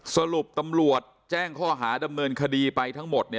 สรุปตำรวจแจ้งข้อหาดำเนินคดีไปทั้งหมด